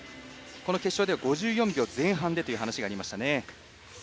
決勝では５４秒前半でという話がありましたね。